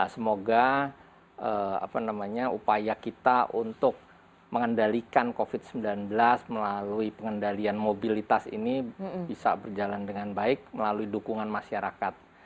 semoga upaya kita untuk mengendalikan covid sembilan belas melalui pengendalian mobilitas ini bisa berjalan dengan baik melalui dukungan masyarakat